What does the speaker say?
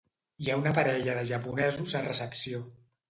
Hi ha una parella de japonesos a recepció.